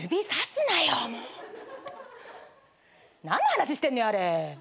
何の話してんのよあれ。